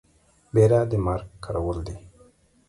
بيره د مرگ کرول دي.